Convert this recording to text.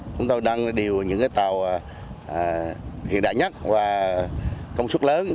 chúng tôi đang điều những tàu hiện đại nhất và công suất lớn